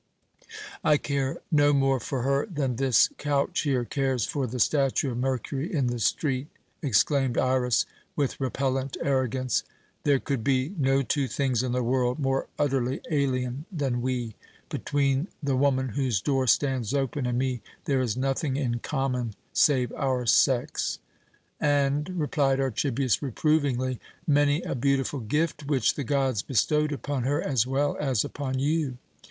"I care no more for her than this couch here cares for the statue of Mercury in the street!" exclaimed Iras, with repellent arrogance. "There could be no two things in the world more utterly alien than we. Between the woman whose door stands open, and me, there is nothing in common save our sex." "And," replied Archibius reprovingly, "many a beautiful gift which the gods bestowed upon her as well as upon you.